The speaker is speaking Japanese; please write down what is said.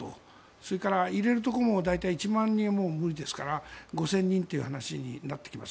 それから、入れるところも大体１万人は無理ですから５０００人という話になってきます。